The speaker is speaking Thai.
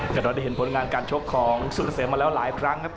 แต่เราได้เห็นผลงานการชกของสุกเกษมมาแล้วหลายครั้งครับ